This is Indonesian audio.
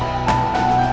terima kasih banyak ya pak